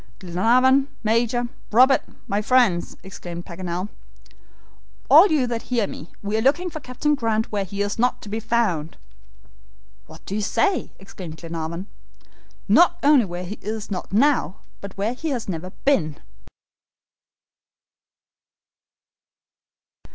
"Glenarvan, Major, Robert, my friends," exclaimed Paganel, "all you that hear me, we are looking for Captain Grant where he is not to be found." "What do you say?" exclaimed Glenarvan. "Not only where he is not now, but where he has never been."